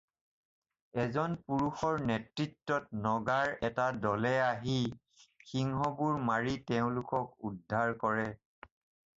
এজন পুৰুষৰ নেতৃত্বত নাগৰ এটা দলে আহি সিংহবোৰ মাৰি তেওঁলোকক উদ্ধাৰ কৰে।